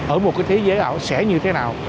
ở một cái thế giới ảo sẽ như thế nào